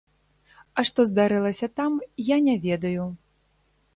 А што здарылася там, я не ведаю.